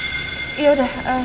meskipun aldebaran udah mindain dia